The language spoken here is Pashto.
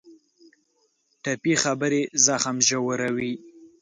ټپي خبرې زخم ژوروي.